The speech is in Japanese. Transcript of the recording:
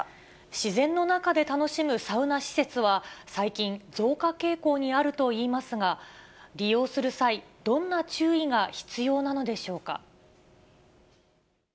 自然の中で楽しむサウナ施設は、最近、増加傾向にあるといいますが、利用する際、どんな注意が必要なのでしょうか。